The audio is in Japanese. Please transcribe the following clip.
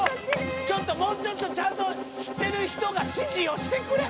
もうちょっとちゃんと知ってる人が指示をしてくれ！